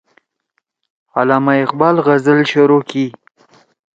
علامہ اقبال غزل شروع کی